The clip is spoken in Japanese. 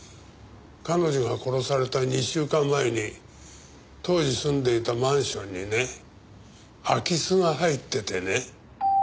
彼女が殺された２週間前に当時住んでいたマンションにね空き巣が入っててね。